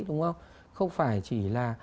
đúng không không phải chỉ là